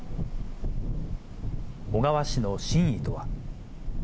小川氏の真意とは。